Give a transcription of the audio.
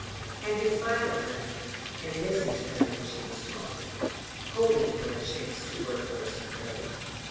And he spied upon her, and listened to her when she was talking, hoping for a chance to work her some ill.